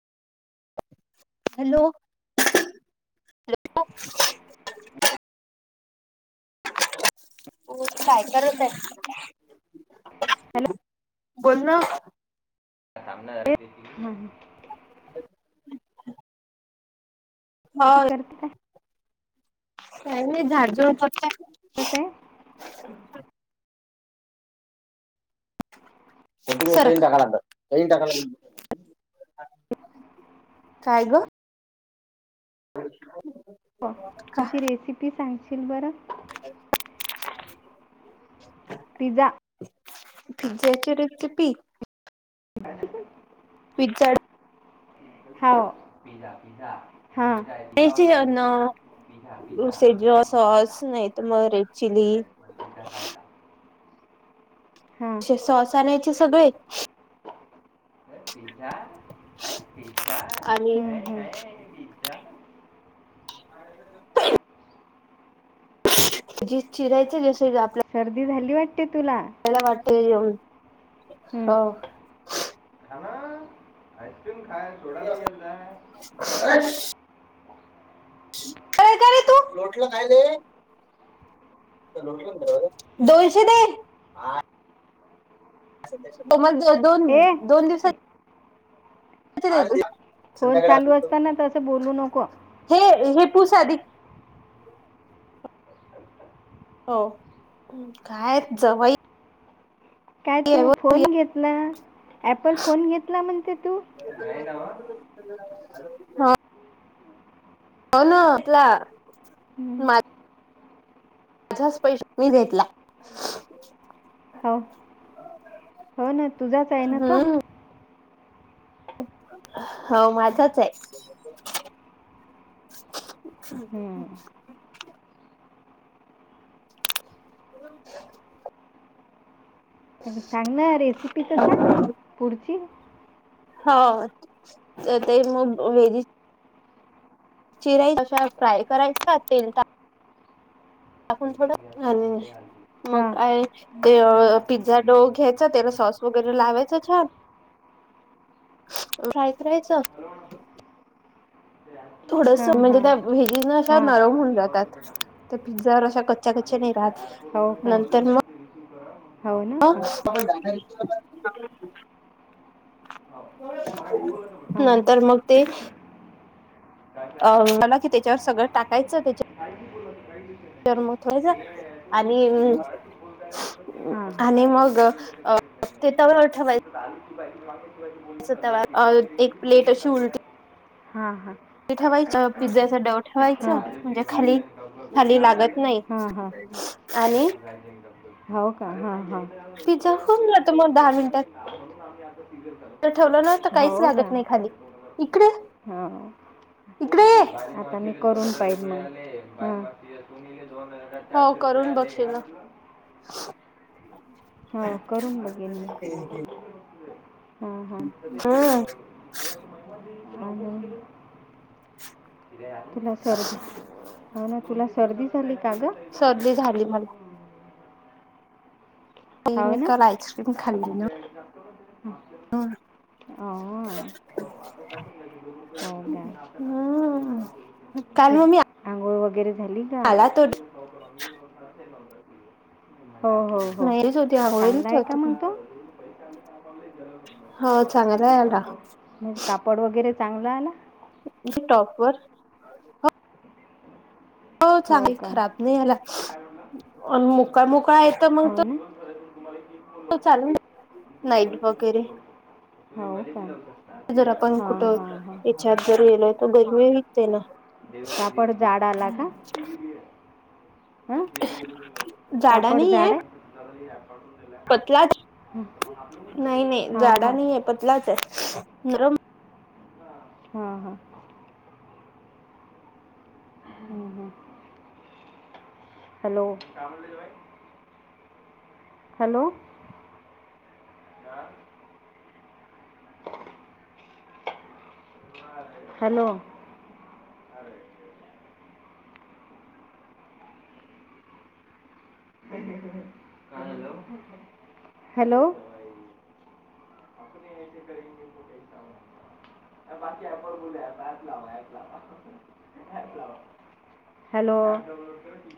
Hello हो ते काय करत आहे हॅलो बोल ना [unintelligible] सामना अ हो करत काय नाई झाड झुड करत आय अ ते टाकायला टाका काय ग अ त्याची रेसिपी सांगशील बरं [unintelligible] पिझा पिझ्झ्याची रेसिपी अ पिझ्झा हो हा तेची ना पिझा पिझा म पिझा खायता नाही तर मग रेड चिली अजब पिझ्झा खायता [unintelligible] हा असे सॉस आनायचे सगळे अ पिझ्झा आय हाय पिझ्झा आणि [unintelligible] ह जी चिरायचं जस आपल्या सर्दी झाली वाटते तुला वला वाट ह खान आईस्क्रीम खाय सोडा पियाल जाय [unintelligible] अ य का तू लोटला काहिले दोनशे दे मग दोन ए दोन दिवस ए, कि फोन चालू असताना त असं बोलू नको हे हे पूस आधी हो काय जवयी काय तू फोन घेत ना ऍपल फोन घेतला म्हणते तू [unintelligible] हा हो ना आपला हम्म माझाच पैश मी घेतला हो हो ना तुझाच आहे ना तो [unintelligible] हम्म हो माझाच आहे [unintelligible] हं. हम् हो सांगन रेसिपी तर सांग पुढची [unintelligible] हो ते म भेरी चिराई तशा फ्राय करायचा का तेल आपण थोडं आणि मग हां काय ते पिझ्झा डो घ्यायचा तेला सॉस वगैरे लावायचं छान रायच राहायचं [unintelligible] थोडस हां म्हणजे हां त्या व्हेजने अशा हां नरम होऊन जातात त्या पिझ्झावर अशा कच्च्या नाही राहत हो का हो ना ह हां हां हां नंतर मग ते अ मला की त्याच्यावर सगळं टाकायचं त्या काही बोल काही त्या आणि मराठी बोलत मग आणि काय बोल मग न त्यांनी काही वि ते तव्यावर नाही ठेवायचं तथ आली की बा माग एक प्लेट अशी उलटी हा हा ते ठेवायचं पिझ्झाच डव ठेवायचं म्हणजे खाली खाली लागत नाही. हां हां हां आणि हो का हा हा.. पिझ्झा होऊन जातो मग दहा मिनिटात. म्हणून आम्ही आता फिगर ठेवलं ना तर कर काहीच हो का लागत नाही खाली इकडे हो इकडे ये आता मी करून पाहित म हा हो चारशे रुपये करून आले बघशील ना हा करून बघेन मी हा हम्म हा हो तुला सर्दी हो ना तुला सर्दी झाली का ग? सर्दी झाली मला. होव मी ना काल आईस्क्रीम ह हो हो का हम्म काल मग मी आंघोळ वगैरे झाली का? आला तो हो हो हो नाहीच होती आंघोळीला चांगलं तो आहे का आता मुलगा? हो चांगला आला म्हणजे कापड वगैरे चांगलं आहे ना म्हे टॉप वर हो चांगली खराब नाही हला मोकळ मोकळा य तु्हालाव तुम्हीन चालून नाईट लाव वगैरे हो स जर आपण कुठं याच्यात जर गलोय तर गर्मी विकते ना कापड जाडा ला का ह कापड जाडा हा नाही आहे पतलाच नाही नाही जाडा ह नाही आहे पतलाच आहे नरम हा हा ह ह हॅलो हॅलो ह हॅलो अरे हॅलो आपने से करेेक कसा बाकी आहेण बोल लावऐ ला लावा हॅलो